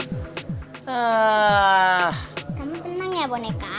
kamu tenang ya boneka